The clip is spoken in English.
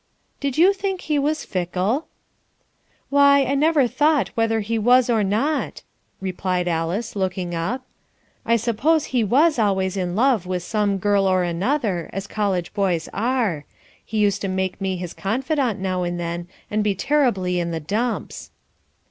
"Did you think he was fickle?" "Why, I never thought whether he was or not," replied Alice looking up. "I suppose he was always in love with some girl or another, as college boys are. He used to make me his confidant now and then, and be terribly in the dumps."